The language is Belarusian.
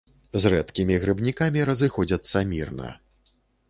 З рэдкімі грыбнікамі разыходзяцца мірна.